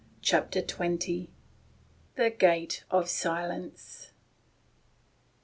CHAPTER XXL THE GATE OF SILENCE.